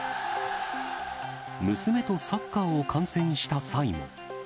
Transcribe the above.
娘とサッカーを観戦した際も。